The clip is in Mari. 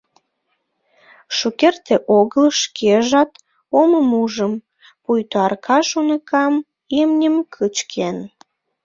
Шукерте огыл шкежат омым ужым, пуйто Аркаш уныкам имньым кычкен.